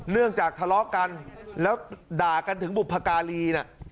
เนื่องจากทะเลาะกันแล้วด่ากันถึงบุพการีน่ะ